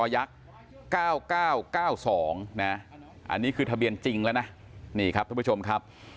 ยักษ์๙๙๙๒นะอันนี้คือทะเบียนจริงแล้วนะนี่ครับผู้ชมครับ